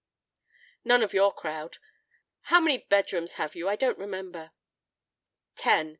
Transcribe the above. "None of your crowd. How many bedrooms have you? I don't remember." "Ten.